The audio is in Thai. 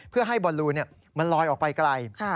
เพื่อให้บอลลูนมันลอยออกไปไกล